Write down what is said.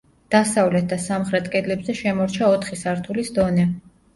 დასავლეთ და სამხრეთ კედლებზე შემორჩა ოთხი სართულის დონე.